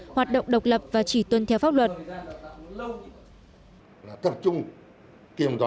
hoạt động độc lập và chỉ tuân theo pháp luật